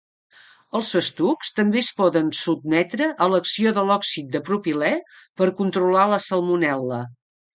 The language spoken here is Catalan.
Els festucs també es poden sotmetre a l'acció de l'òxid de propilè per controlar la salmonel·la.